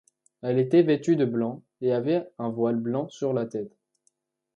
Elle était vêtue de blanc et avait un voile blanc sur la tête.